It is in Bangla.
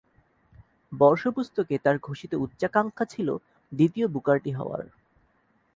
বর্ষপুস্তকে তার ঘোষিত উচ্চাকাঙ্ক্ষা ছিল দ্বিতীয় বুকার টি হওয়ার।